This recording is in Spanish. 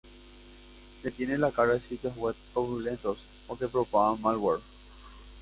Detiene la carga de sitios web fraudulentos o que propagan malware.